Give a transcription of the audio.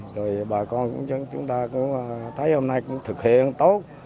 rồi bà con chúng ta cũng thấy hôm nay cũng thực hiện tốt